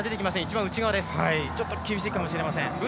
ちょっと厳しいかもしれません。